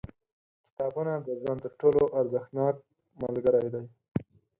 • کتابونه د ژوند تر ټولو ارزښتناک ملګري دي.